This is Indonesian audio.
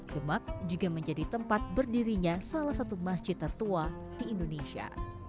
demak juga menjadi tempat berdirinya salah satu masjid tertua di indonesia